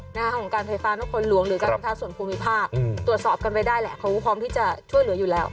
ของการไฟฟ้านครหลวงหรือการไฟฟ้าส่วนภูมิภาคตรวจสอบกันไว้ได้แหละเขาก็พร้อมที่จะช่วยเหลืออยู่แล้ว